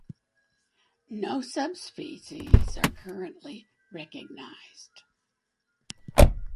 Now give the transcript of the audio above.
No subspecies are currently recognised.